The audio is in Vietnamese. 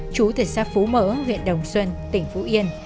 chú từ xa phú mỡ huyện đồng xuân tỉnh phú yên